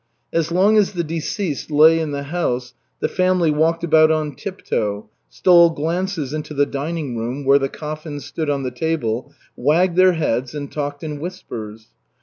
As long as the deceased lay in the house, the family walked about on tip toe, stole glances into the dining room, where the coffin stood on the table, wagged their heads, and talked in whispers.